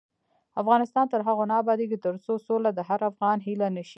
افغانستان تر هغو نه ابادیږي، ترڅو سوله د هر افغان هیله نشي.